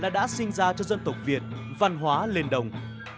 là một hình thức diễn sướng diễn ra cho dân tộc việt văn hóa lên đồng